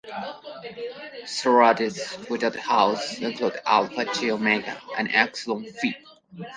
Sororities without houses include Alpha Chi Omega and Epsilon Phi.